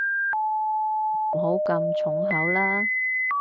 唔好咁重口啦